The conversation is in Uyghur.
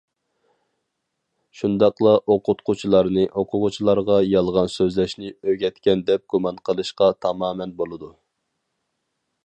شۇنداقلا ئوقۇتقۇچىلارنى ئوقۇغۇچىلارغا يالغان سۆزلەشنى ئۆگەتكەن دەپ گۇمان قىلىشقا تامامەن بولىدۇ.